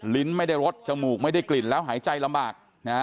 ไม่ได้รสจมูกไม่ได้กลิ่นแล้วหายใจลำบาก